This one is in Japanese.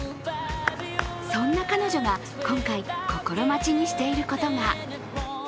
そんな彼女が今回心待ちにしていることが。